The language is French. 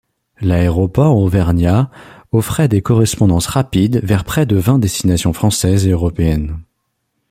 L'aéroport auvergnat offrait des correspondances rapides vers près de vingt destinations françaises et européennes.